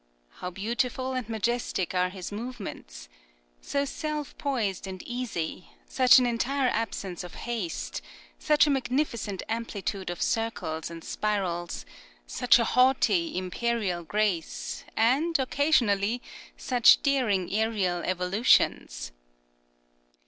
How beautiful and majestic are his movements! So self poised and easy, such an entire absence of haste, such a magnificent amplitude of circles and spirals, such a haughty, imperial grace, and, occasionally, such daring aerial evolutions!